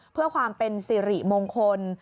เพื่อความเป็นสิริมงคล